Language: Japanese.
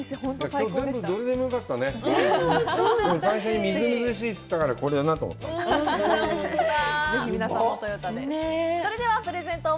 最初に、みずみずしいって言ったからこれだなと思った。